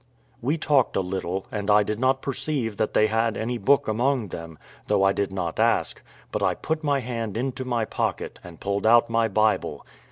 We talked a little, and I did not perceive that they had any book among them, though I did not ask; but I put my hand into my pocket, and pulled out my Bible.